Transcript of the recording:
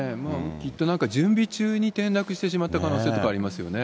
きっとなんか、準備中に転落してしまった可能性っていうのはありますよね。